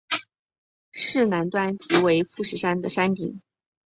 市南端即为富士山的山顶。